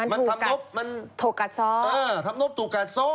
มันถูกกัดซ้อเออทำรบถูกกัดซ้อ